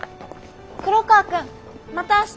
黒川くんまた明日。